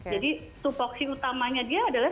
jadi stupoksi utamanya dia adalah